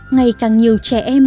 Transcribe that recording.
ngày càng nhiều trẻ em